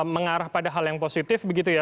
mengarah pada hal yang positif begitu ya